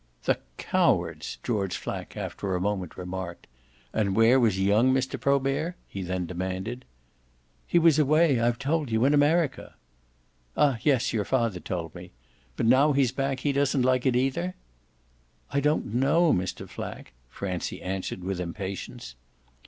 "The cowards!" George Flack after a moment remarked. "And where was young Mr. Probert?" he then demanded. "He was away I've told you in America." "Ah yes, your father told me. But now he's back doesn't he like it either?" "I don't know, Mr. Flack," Francie answered with impatience.